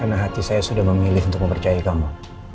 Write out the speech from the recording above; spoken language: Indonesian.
karena hati saya sudah memilih untuk mempercaya kamu